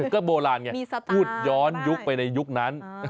ก็โบราณไงพูดย้อนยุคไปในยุคนั้น